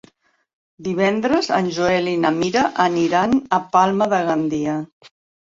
Divendres en Joel i na Mira aniran a Palma de Gandia.